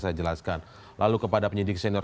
saya jelaskan lalu kepada penyidik senior